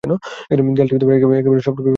দেয়ালটি একেবারে সবটুকুই হুড়মুড় করে পড়ে গেল।